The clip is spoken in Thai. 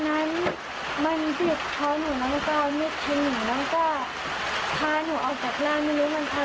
โหก็คือผีก็พลดดึงวิญญาณเราออกไปเลยไปแล้วไปด้วยกันใช่ไหม